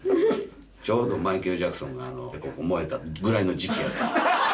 ちょうどマイケル・ジャクソンがここ燃えたぐらいの時期。